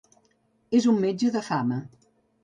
És un metge de fama.